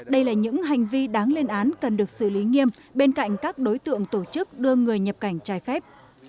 đây là những hành vi đáng lên án cần được xử lý nghiêm bên cạnh các đối tượng tổ chức đưa người nhập cảnh trái phép